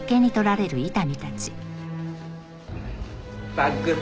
バッグ。